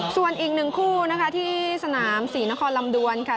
ส่วนอีกหนึ่งคู่นะคะที่สนามศรีนครลำดวนค่ะ